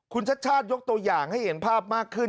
คุณชัดชาติยกตัวอย่างให้เห็นภาพมากขึ้น